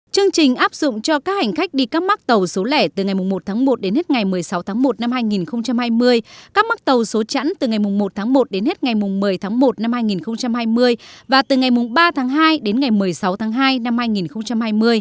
chương trình áp dụng cho các hành khách đi các mắc tàu số lẻ từ ngày một tháng một đến hết ngày một mươi sáu tháng một năm hai nghìn hai mươi các mắc tàu số chẵn từ ngày một tháng một đến hết ngày một mươi tháng một năm hai nghìn hai mươi và từ ngày ba tháng hai đến ngày một mươi sáu tháng hai năm hai nghìn hai mươi